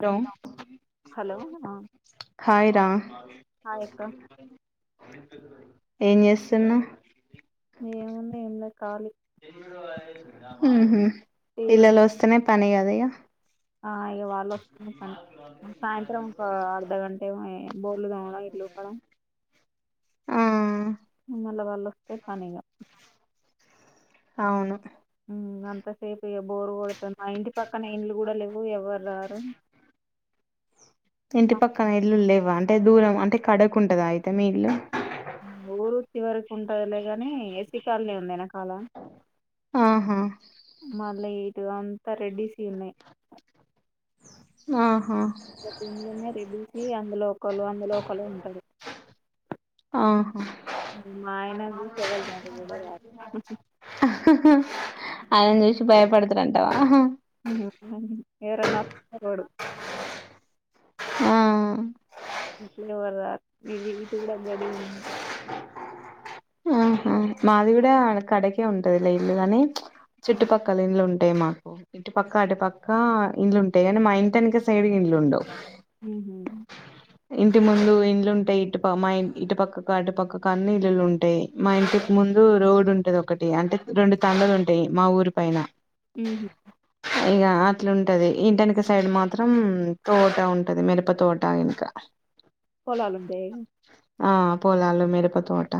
Hello hello ఆ hi రా hi అక్క ఏం చేస్తున్నావ్ ఏముంది ఎమ్లె కాలి ఉహు టీవీ పిల్లలు చూద్దాం వస్తేనే పని కద ఇగ ఆ ఇగ వాళ్ళు వస్తేనే పని సాయంత్రం ఒక అర్ధగంటే బొల్లు [unintelligible] ఇల్లు ఊకడం ఆ మళ్ళ వాళ్ళు ఒస్తే పనే ఇగ అవును అంతసేపు ఇగ బోరు కొడుతుంది మా ఇంటి పక్కన ఇండ్లు కూడ లేవు ఎవ్వరు రారు ఇంటి మా పక్కన ఇల్లు లేవ అంటే దూరం అంటే కడకు ఉంటదా అయితే మీ ఇల్లు ఊరు చివరకు ఉంటదిలే గాని ఎసి కాలనే ఉంది వెనకాల ఆహా మళ్ళా ఇటు అంతా రెడ్డీసియి ఉన్నయి ఆహా దీని లోనే రెడ్డిసియి అందులో ఒకలు అందులో ఒకలు ఉంటరు ఆ మా అయన [unintelligible] హ హ ఆయనను చూసి భయపడుతరంటావా ఎవరన్నోస్టరోడు [unintelligible] ఆ [unintelligible] ఆహా మాది కూడా కడకే ఉంటాదిలే ఇల్లు గానీ ఉమ్. చుట్టుప కలిన్లు ఉంటాయి మాకు ఇటు పక్క అటు పక్క ఇండ్లుంటాయి కానీ మా ఇంటినక సైడ్ ఇండ్లు ఉండవు ఉ హు ఇంటి ముందు ఇండ్లుంటాయి ఇటు మా ఇటు పక్క ఇటు పక్కకా అన్ని ఇల్లులు ఉంటాయి మా ఇంటికి ముందు రోడ్ ఉంటది ఒకటి అంటే రెండు [unintelligible] ఉంటాయి మా ఊరి పైన ఉహు అ ఇగ అట్లుంటది ఇంటనక సైడ్ మాత్రం తోట ఉంటది మిరప తోట ఇంక పోలాల్ ఉంటయి ఆ పోలలు మీరప తోట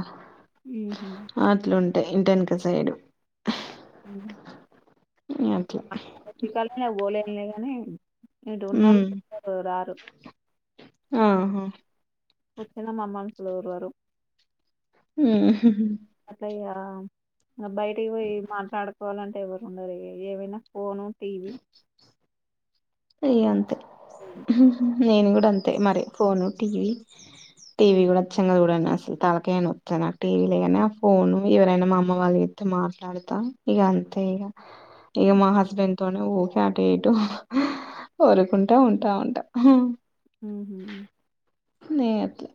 ఉహు అట్లుంటాయ్ ఇంటెనక సైడు ఆహ అట్ల ఉమ్ [unintelligible] రారు ఆహా [unintelligible] మనుషులు ఎవరు లేరు ఉ హు [unintelligible] బయటికి పోయి మాట్లాడుకోవాలంటే ఎవరు ఉండరు ఏమైన ఫోను టీవీ అంతే నేను కూడా అంతే మరి ఫోను టీవీ టీవీ కూడాచ్చంగా చూడను అసలు తలకాయ నొప్పి అ నాకు టీవీ లేగానే ఆ ఫోను ఎవరైనా మా అమ్మ వాళ్ళోత్తే మాట్లాడతా ఇక అంతే ఇక ఇక మా హస్బెండ్ తోనే ఊకే అటు ఇటు కోరుకుంటా ఉంటా ఉంటా ఊహూ న అది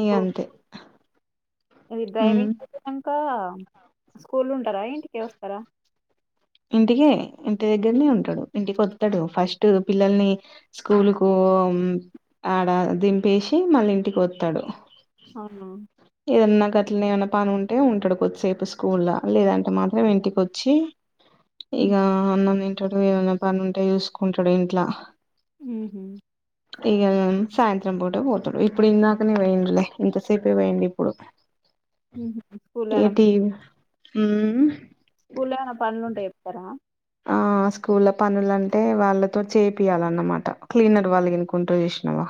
ఇగ అంతే మీరు మ్మ్ డ్రైవింగ్ చేసినంక స్కూల్లో ఉంటారా ఇంటికి వస్తారా ఇంటికే ఇంటి దగ్గరనే ఉంటడు ఇంటికి వత్తడు ఫస్ట్ పిల్లల్ని స్కూల్ కు ఆడ దింపేసి మళ్ళ ఇంటికి వస్తాడు అవును ఏదన్నా గట్లనేమన్నపని ఉంటే ఉంటాడు కొద్దిసేపు స్కూల్లో లేదంటే మాత్రం ఇంటికి వచ్చి ఇక ఉహు అన్నం తింటాడు ఏమనా పని ఉంటే చూసుకుంటాడు ఇంట్లా ఊహూ సాయంత్రం పూటే పోతడు ఇప్పుడు ఇందాకనే పోయిండులే ఎంతసేప వేడి స్కూల్లో ఏమైనా ఏటి స్కూల్ల్లో ఏమన్న పనులుంటే చెప్తారా ఆ ఆ స్కూళ్ళ పనులంటే వాళ్ళతో చేపియాలన్నమాట క్లీనర్ వాళ్ళు ఎనుకుంటో చేసినావా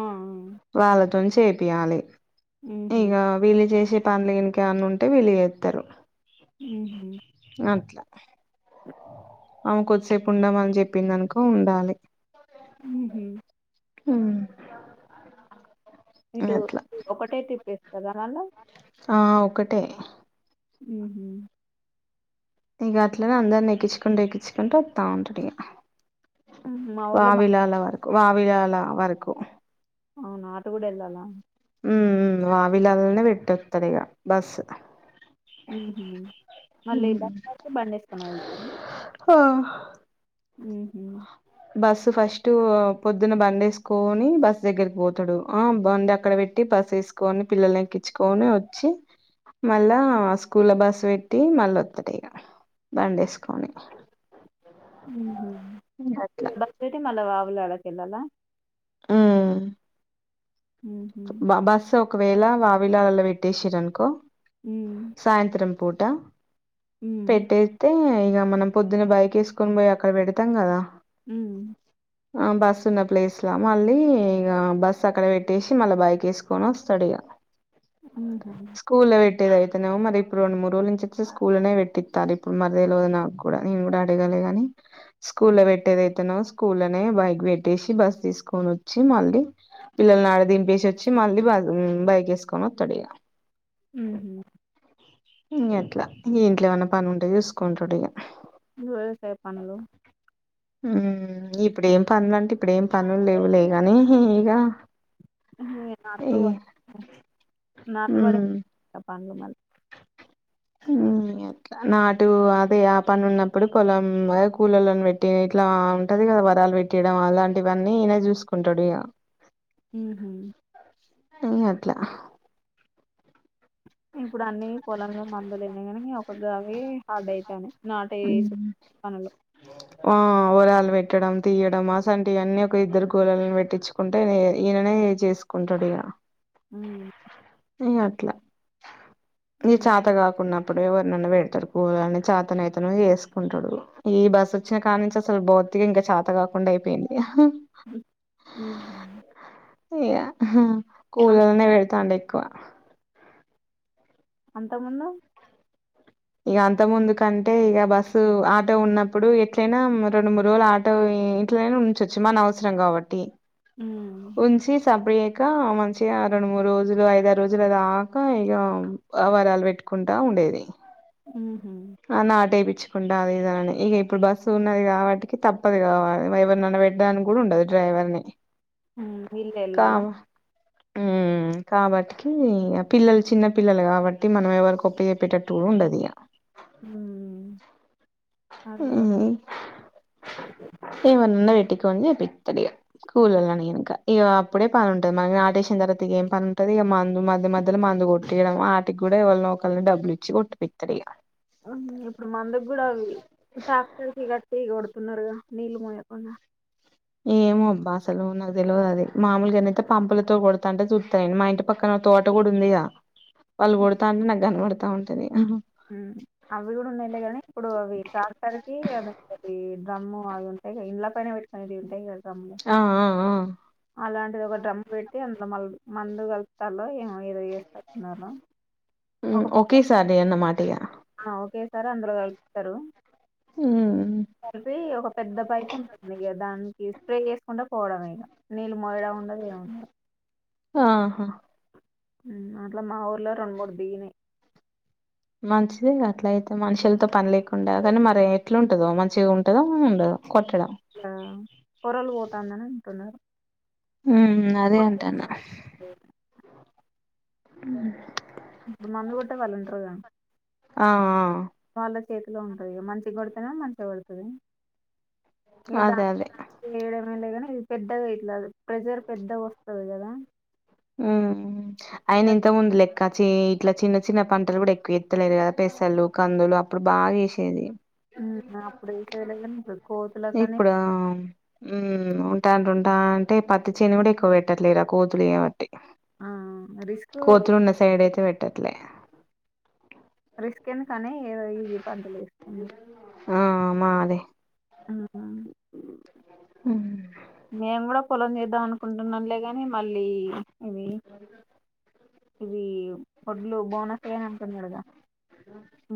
ఆ ఆ వాళ్ళతో చేపియాలి హుహు. ఇగ వీళ్ళు చేసే పనులు ఇంకేమన్నా ఉంటే వీళ్ళు చేస్తారు ఊహూ అట్లా ఆమె కొద్దిసేపు ఉండమని చెప్పిందనుకో ఉండాలి ఊహూ హ్మ్ ఇదే అట్లా ఒకటే తిప్పేస్తుదా మళ ఆ ఒకటే ఊహూ ఇక అట్లనే అందరిని ఎక్కించుకుంటే ఎక్కించుకుంటూ వస్తా ఉంటాడు ఇక హ్మ్. మా ఊర్లో బ వావిలాల వరకు వావిలాల వరకు అవును అటు కూడా వెళ్ళాలా హ్మ్ మ్మ్ వావిలాల్నే పెట్టేస్తాడిగా బస్ ఊహూ మళ్ళీ బస్సు ఆగితే బండేసుకొని వెళ్తార ఆ ఊహూ బస్సు ఫస్ట్ పొద్దున బండి వేసుకొని బస్సు దగ్గరికి పోతాడు ఆ బండి అక్కడ పెట్టి బస్సు వేసు కోని పిల్లల్ని ఎక్కించుకొని వచ్చి మళ్ళా స్కూల్లో బస్ పెట్టి మళ్ళా వత్తడిక బండేసుకొని ఊహూ ఇగ అట్లా రిటర్న్ మళ్ళ వావిలాల కెళ్ళాల హ్మ్ హుహు. బ బస్సు ఒకవేళ వావిలాలలో పెట్టేసిరనుకో మ్ సాయంత్రం పూట హ్మ్. పెట్టే తే ఇక మనం పొద్దున్న బైక్ వేసుకొని పోయి అక్కడ పెడతాం కదా మ్ ఆ బస్ ఉన్న ప్లేస్ లా మళ్ళీ ఇగ బస్ అక్కడ పెట్టేసి మళ్ళా బై కేసుకోని వస్తడిగా మ్ హు స్కూల్లో పెట్టేది అతేనో మరి ఇప్పుడు రెండు మూడు రోజుల నుంచితే స్కూల్ల్లోనే పెట్టిస్తారిప్పుడు మరి తెల్వదు నాకు కూడా నేను కూడా అడగాలి గాని స్కూల్ లో పెట్టేదైతేనో స్కూ లోనే బైక్ పెట్టేసి బస్ తీసుకొని వచ్చి మళ్ళీ పిల్లల్ని ఆడ దింపేసి వచ్చి మళ్ళీ బ బయకేసుకొని ఒత్తడిగా మ్ హు ఇం అట్లా ఇంట్లో ఏమైన్నా పని ఉంటేయ చూసుకుంటోడు ఇగ వ్యవసాయ పనులు మ్ ఇప్పుడు ఏం పనులు అండి ఇప్పుడేం పనులు లేవు లేగాని ఇగ ఈ నాట్లు నాట్లు పడే ఉమ్ వరకు పనులు మళ్ళ మ్ నాటు అదే ఆ పని ఉన్నప్పుడు పొలం కూల పెట్టి ఇట్లా ఉంటది కదా వరాలు పెట్టి పెట్టయడం అలాంటివన్నీ ఇనే చూసుకుంటాడు ఇక మ్ హు ఇ అట్లా ఇప్పుడు అన్ని పొలంల మందులున్నాయి కానీ ఒకగావి హార్డ్ అయితాని మ్ హు ఆ వరాలు పెట్టడం తీయడం అసొంటివన్నీ ఒక ఇద్దరు కూలోళ్లను పెట్టించుకుంటే ఈయననే చేసు కొంటడిగా ఆ న అట్లా నీ చాత గాకున్న ఇప్పుడు ఎవరినైనా పెడతాడు చాతనైతేనేమో వేసుకుంటడు ఈ బస్సు వచ్చినా కానుంచి అసలు బిత్తిగా ఇంకా చాత కాకుండా అయిపోయింది ఉ ఇగ అంత కూలళ్లనె పెడతాండు ఎక్కువ అంత ముందు ఇక అంత ముందు కంటే ఇక బస్సు ఆటో ఉన్నప్పుడు ఎట్లయినా రెండు మూడు రోజులు ఆ టొ ఇంట్లోనే ఉంచొచ్చు మన అవసరం కాబట్టి ఉ ఉంచి సరిపోయాక మంచిగా రెండు మూడు రోజులు ఐదారు రోజులుదాక ఇక ఆ వరాలు పెట్టుకుంటా ఉండేది ఉమ్ హు అ నాటేపిచ్చుకుంటా అది ఇదని ఇక ఇప్పుడు బస్సు ఉన్నది కాబట్టి తప్పదు కావా ఎవరిననా పె డానికి కూడా ఉండదు డ్రైవర్ని హ్మ్ వీళ్ళే కా ఎళ్ళాలా ఉ ఉమ్ము కాబట్టికి పిల్లలు చిన్న పిల్లలు కాబట్టి మనం ఎవరికోప్ప చెప్పేటట్టు కూడా ఉండదు ఇయ ఉ ఎవరినన్నా పెట్టుకొని చేపితడిగా కూలోళ్లను గినక ఇగ అప్పుడే పని ఉంటది మ నాటేసిన తరువాతికి ఏం పని ఉంటది ఇక మందు మధ్య మధ్యలో మందు కొ తీయడం ఆటికి కూడా ఎవల్నో ఒక్కల్ని డబ్బులు ఇచ్చి కొట్టిపిత్తరు ఇగ. ఇప్పుడు మందుకి కూడా అవి ట్రాక్టర్కి కట్టి కొడుతున్నరుగా నీళ్ళు మోయకుండా. ఏమో అబ్బా అసలు నాకు తెలవది అది. మామూలుగానైతే పంపులతో కొడతాంటే చూ త్త నేను మా ఇంటి పక్కన తోట కూడా ఉందిగా వాళ్ళు కొడతాంటే నాకు కనపడతా ఉంటది. ఆహా అవి కూడా ఉన్నయిలే గానీ ఇప్పుడు అవి ట్రాక్టర్ ఈ అదోకటి డ్రమ్ము అవి ఉంటయిగా ఇల్ల పైన పెట్టుకునేవి ఉంటయిగా అవి. ఆ ఆ ఆ అలాంటిది ఒక డ్రమ్ పెట్టి అందులో మల్లు మందు కలుపుతాల్లో ఏమో ఏదో చేస్తట్టు ఉన్నరు. ఓకేసారి అన్న మాటేయిగ ఆ ఓకేసారి అందులో కలుప్తరు. కలిపి ఒక పెద్ద పైపు ఉంటుంది ఇగ దాని కిస్తే ఎసుకుంట పోవడమే ఇగా నీళ్ళు మోయడము ఉండదు ఎముండదు. ఆహా హ్మ్ అట్లా మా ఊర్ల రెండు మూడు దిగినయి. మంచిదేగా అట్ల అయితే మనుషులతో పని లేకుండా కానీ మరి ఎట్లుంటదో మంచిగా ఉంటదో ఉండదో కొట్టడం. ఆ కొరలు పోతాందని అంటున్నరు. హ్మ్ అదే అంటన్నా. ఏది హ్ ఇప్పుడు మందు కోట్టేవాళ్ళు ఉంటరుగా ఆ ఆ వాళ్ళ చేతిలో ఉంటది ఇగ మంచిగా కొడితేనేమో మంచిగా పడుతది. ఇగ ఆ దా అదే అదే ఏయడమే ఎం లేదు కానీ ఇది పెద్దగా ఇట్లా ప్రెజర్ పెద్దగా వస్తది కదా పెద్ద అయినా ఇంతక ముందు లె ఇంకా చి ఇట్లా చిన్న చిన్న పంటలు కూడా ఎక్కువ ఎత్తలేరు కదా పెసల్లు, కందులు అప్పుడు బాగా ఎశేది. అప్పుడు ఏసేదిలే కానీ ఇప్పుడు కోతుల కానీ ఇప్పుడా ఉ ఉంటారు ఉంటా అంటే పత్తి చేను కూడా ఎక్కువ పెట్టట్లేరు ఆ కోతులు చేయబట్టి ఆ రిస్క్ కొతులున్న సైడయితే పెట్టట్లే. రిస్క్ ఏందుకు అని ఎదో ఈజీ పంటలు ఎసుకున్నరు. ఆ మాది ఆ ఆ ఉమ్. మేం కూడా పొలం చేద్దాం అనుకుంటున్నాంలే గాని మళ్ళీ ఇవి ఇవి వడ్లు బోనసే అంటున్నరుగా.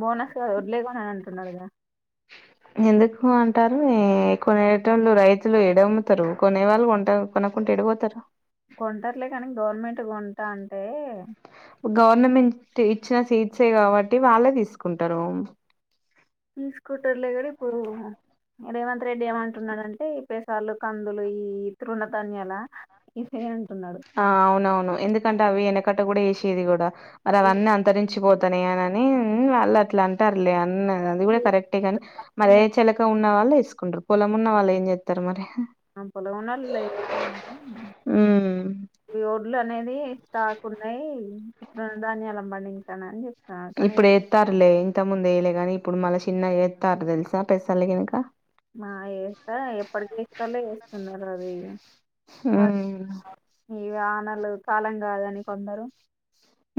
బోనస్ వడ్లె కొననంటున్నడుగా. ఎందుకు అంటారు. ఎ కొనేటోళ్లు రైతులు ఎడమ్ముతరు కొనే వాళ్ళు కొంటరు. కొనకుంటే ఎడపోతరు. కొంటరులే కానీ గవర్నమెంట్ కొంటా అంటే గవర్నమెంట్ ఇచ్చిన సీడ్సే కాబట్టి వాళ్ళే తీసుకుంటరు. తీసుకుంటర్లే గాని ఇప్పుడు ఇగ రేవంత్ రెడ్డి ఏమంటున్నడంటే పెసల్లు, కందులు ఇయి తృణధాన్యాలా ఇఫై అంటున్నడు. ఆ అవునవును ఎందుకంటే అవి యెనకట గూడ ఏసేది గూడ మరి ఈ అవన్నీ అంతరించి వచ్చి పోతేనే అని ఆల్లు అట్లా అంటారు లే అన్న ఆది గూడా కరెక్ట్ గని మరి ఏ చెలక్ ఉన్న వాళ్ళు వేసుకుంటారు పొలం ఉన్న వాళ్ళు ఏం చేత్తరు మరి అంత పొలం ఉన్నాళ్ళు లేరు లే కానీ ఉమ్ ఈ ఓడ్లు అనేది స్టాక్ ఉన్నాయి తృణ ధన్యాలను పండించండీ అని చెప్ ఇప్పుడు ఎత్తారులే ఇంత ముందు వేయ్యలేగాని ఇప్పుడు మళ్ళా చిన్నగా ఎత్తారు తేలుసా పెసల్లు గినక మా ఏస్తా ఎప్పటి ఏసేటోళ్ళే ఏస్తున్నారు అది ఇగ వా ఉమ్ ఈ వానలు కాలం గాదని కొందరు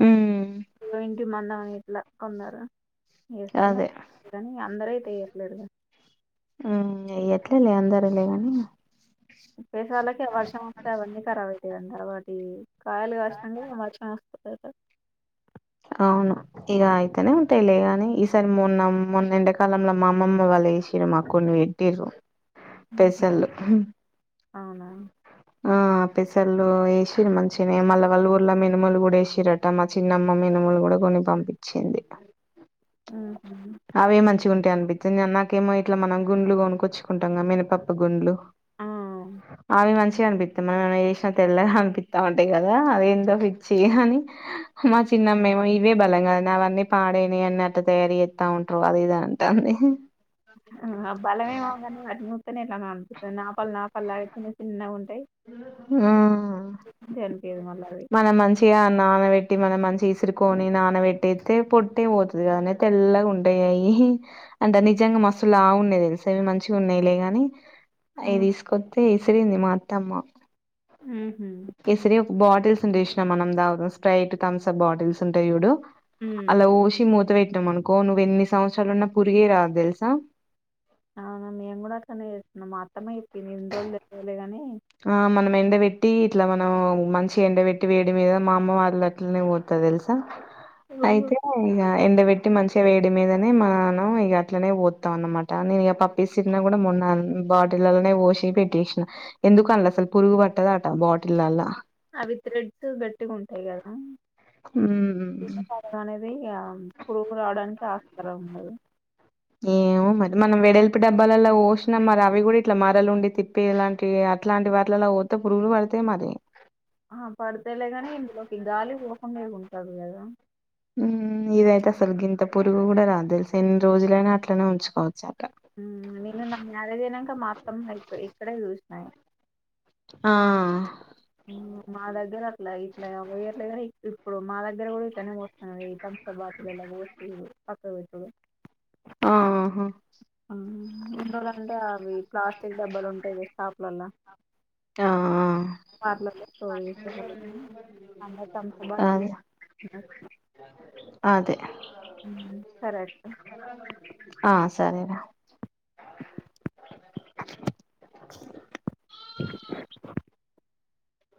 ఉమ్ ఇగో ఈ మందం అని ఇట్లా కొందరు ఏస్తనే అదే గాని అందరు అయితే ఏయట్లేదుగ ఉ ఏయ్యట్లే లే అందరు లే గాని పెసళ్ళకే వర్షం వస్తే అవన్నీ ఖరాబ్ అయితాయి గాని తరువాతి కాయలు గాసినంక ఇగ వర్షం వస్త్ వర్షం వస్తె అవును ఇగ అయితేనే ఉంటాయిలే గాని ఈసారి మొన్న మొన్న ఎండకాలంలో మా అమ్మమ్మ వాళ్ళు ఏసి టిరు మాకు కొన్ని పెట్టిర్రు పెసల్లు అవునా ఆ పెసల్లు వేసి మంచిగానే మళ్ళీ వాళ్ళు ఊర్ల మినుమలు కూడా వేసిర్రట మా చిన్నమ్మ మినుములు కూడా కొన్ని పంపించింది మ్మ్. అవి మంచి కుంటే అనిపిత్తుంది నాకేమో ఇట్లా మన గుండ్లు కొనుకొచ్చుకుంటాం గ మినప్పప్పు గుండ్లు ఆ ఆవి మంచిగా అనిపిత్ మనం ఏ చేసినా తెల్లగ అనిపిత్త ఉంటాయి గదా అదేందొ పిచ్చి గానీ మా తిన్నాం మేము ఇవే బలం గద అవన్నీ పాడేనా అన్నట్ తయారు చేత్త ఉంట్రూ అది ఇది అంటంది ఆ బలమేమోగానీ వాటి నూస్తనే ఎట్లనో ఆపిత్తది నాపాలు నాపాలు లాగా చిన్న చిన్నగా ఉంటాయి ఆ మంచిగా అనిపియదు మళ్ళ అవి మనము మంచిగా నానబెట్టి మన మంచిగా ఇసురుకొని నానబెట్టెత్తే పొట్టే పోతది గదనే తెల్ల గుంటాయి అవి అంటే నిజంగా మస్తు లావు ఉన్నాయి దెలుసా మంచిగా ఉన్నాయిలేగాని అయి తీసుకో స్తే ఇసిరింది మా అత్తమ్మ ఉహు ఈ సరి ఒక బాటిల్స్ ఉంటే ఏసినం మనం తాగు స్ప్రైట్ తమ్సప్ బాటిల్స్ ఉంటాయి జూడు అలా వోసి మూత పెట్టాం అనుకో నువ్వు ఎన్ని సంవత్సరాలున్నా పురుగె రాదు తేలుసా అవునా మేము గూడా అట్లనే జేస్తున్నాం మా అత్తమ్మ జెప్పింది ఎన్ని రోజులు గాని ఆ మనం ఎండబెట్టి ఇట్లా మనం మంచిగ ఎండబెట్టి వేడి మీద మా అమ్మ వాళ్ళు అట్లనే పొత్తారు తేలుసా అయితే ఇగ ఎండబెట్టి మంచిగా వేడి మీదనే మనం ఇగ అట్లనే పోత్తం అన్నమాట కానీ ఇగ పప్పు ఇసిరినా కూడా మొన్న బాటిళ్లలోనే బోసి పెట్టేసినా ఎందుకు అల్ల అసలు పురుగు పట్టదాటా బాటిళ్ళల్లా అవి థ్రెడ్స్ గట్టిగా ఉంటాయి గదా హూ అనేది పురుగు రావడానికి ఆస్కారం ఉండదు ఏవో మరి మనం వెడల్పు డబ్బాలలో పోసినాం మరి అవి కూడా ఇట్లా మరలు ఉండి తిప్ పేలాంటివి అట్లాంటి వాట్లల్లా పోత్తే పురుగులు పడతాయి మరి ఆ పడితేలేగాని ఇందులోకి కి గాలి పోకుండా ఉంటది గదా ఉ ఇదయితే అసలు గింత పురుగు కూడా రాదు తేలుసా ఎన్ని రోజులైనా అట్లనే ఉంచుకోవచ్చు అట హు నేను నా మ్యారేజ్ అయినంక మా అత్తమ్మ ఇక్ ఇక్కడే చూసిన ఆ మా దగ్గర అట్లా ఇట్లా పోయేట్లే కానీ ఇప్పుడు మా దగ్గర కూడా ఇట్లనే పోస్తున్నారూ బాటిలల్లా పోసుడు పక్కకు పెట్టుడు ఆహ ఆహ్ గంతు అవి ప్లాస్టిక్ డబ్బాలు ఉంటావి షాపులలా. ట స్టోర్ చేసేవాళ్ళు అందరు థమ్సప్ ఆ అ బాటిల్ వస్తున్నారు. అదె హ్మ్మ్ సరే అయితే ఆ సరేర